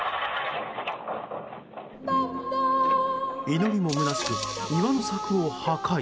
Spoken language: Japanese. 祈りもむなしく庭の柵を破壊。